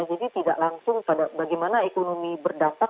jadi tidak langsung pada bagaimana ekonomi berdampak